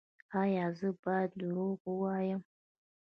ایا زه باید دروغ ووایم؟